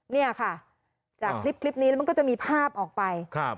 เนี่ยค่ะจากคลิปนี้แล้วมันก็จะมีภาพออกไป